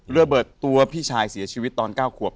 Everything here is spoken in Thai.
ระเบิดตัวพี่ชายเสียชีวิตตอน๙ขวบ